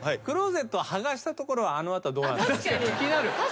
クローゼット剥がしたところはあのあとはどうなる？